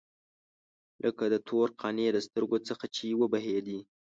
لکه د تور قانع له سترګو څخه چې وبهېدې.